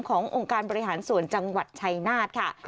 องค์การบริหารส่วนจังหวัดชัยนาธค่ะ